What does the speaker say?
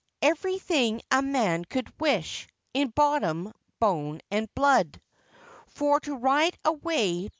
everything a man could wish, in bottom, bone, and blood. For to ride away, &c.